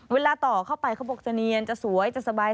เวลาต่อเข้าไปเขาบอกจะเนียนจะสวยจะสบาย